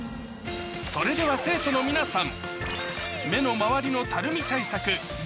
それでは生徒の皆さん